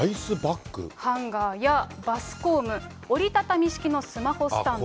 ハンガーやバスコーム、折り畳み式のスマホスタンド。